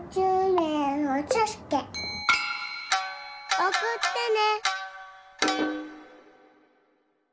おくってね。